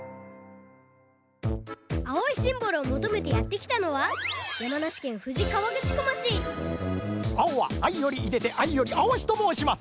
青いシンボルをもとめてやってきたのは山梨県富士河口湖町「青はあいよりいでてあいより青し」ともうします！